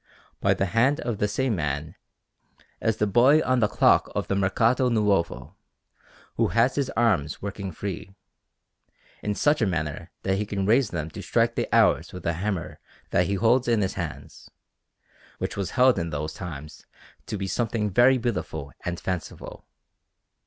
By the hand of the same man is the boy on the clock of the Mercato Nuovo, who has his arms working free, in such a manner that he can raise them to strike the hours with a hammer that he holds in his hands; which was held in those times to be something very beautiful and fanciful.